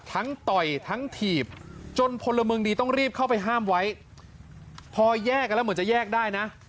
ต่อยทั้งถีบจนพลเมืองดีต้องรีบเข้าไปห้ามไว้พอแยกกันแล้วเหมือนจะแยกได้นะ